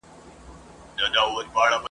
ور اغوستي یې په پښو کي وه زنګونه !.